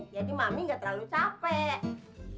jadi mami gak terlalu capek